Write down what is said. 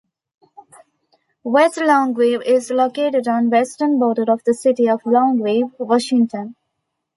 West Longview is located on western border of the city of Longview, Washington.